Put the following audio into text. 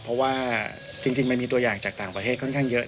เพราะว่าจริงมันมีตัวอย่างจากต่างประเทศค่อนข้างเยอะ